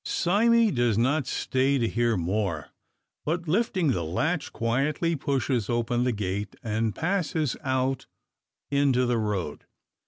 Sime does not stay to hear more; but, lifting the latch, quietly pushes open the gate, and passes out into the road.